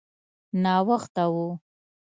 ناوخته و.